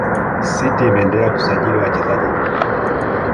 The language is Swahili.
city imeendelea kusajili wachezaji nyota